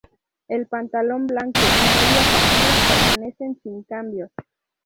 El pantalón blanco y medias azules permanecen sin cambios.